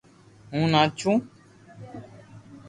ھون ناچو